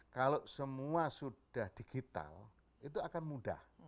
kalau semua sudah digital itu akan mudah